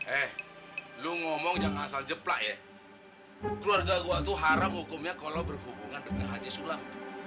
eh lo ngomong yang asal jeplak ya keluarga gue tuh haram hukumnya kalau berhubungan dengan haji sulam